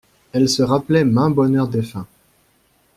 Elles se rappelaient maint bonheur défunt.